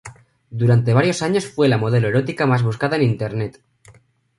Durante varios años fue la modelo erótica más buscada en Internet.